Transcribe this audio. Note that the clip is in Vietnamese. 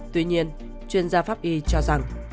tuy nhiên chuyên gia pháp y cho rằng